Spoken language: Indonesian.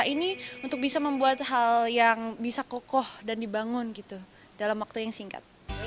ini untuk bisa membuat hal yang bisa kokoh dan dibangun gitu dalam waktu yang singkat